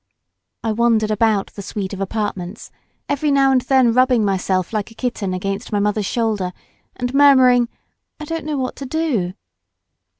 I wandered about the suite of apartments, every now and then rubbing myself like a kitten against my, mother's shoulder and murmuring, "I don't know what to do."